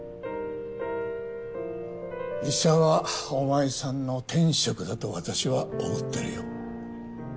医者はお前さんの天職だと私は思ってるよ。